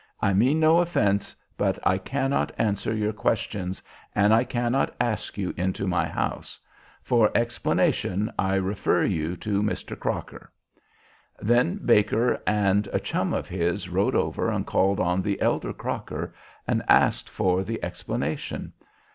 I mean no offence, but I cannot answer your questions and I cannot ask you into my house. For explanation, I refer you to Mr. Crocker.' Then Baker and a chum of his rode over and called on the elder Crocker, and asked for the explanation.